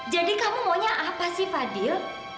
jadi kamu maunya apa sih fadil